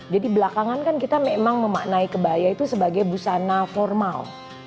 jadi belakangan kan kita memang memaknai kebaya itu sebagai busana formal